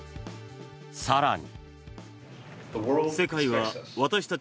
更に。